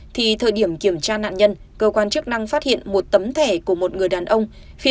thì thời điểm kiểm tra nạn nhân cơ quan chức năng phát hiện một tấm thẻ của một người đàn ông